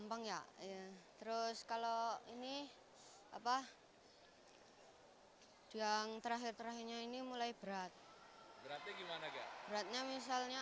enggak terus kalau ini apa yang terakhir terakhir nya ini mulai berat berarti gimana beratnya misalnya